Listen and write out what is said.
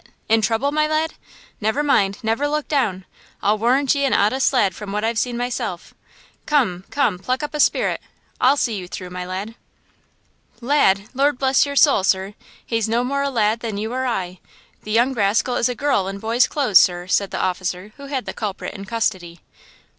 In trouble, my lad? Never mind; never look down! I'll warrant ye an honest lad from what I've seen myself. Come! come! pluck up a spirit! I'll see you through, my lad." " 'Lad!' Lord bless your soul, sir, he's no more a lad than you or I! The young rascal is a girl in boy's clothes, sir!" said the officer who had the culprit in custody.